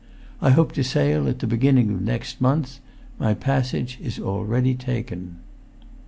I hope to sail at the beginning of next month; my passage is already taken."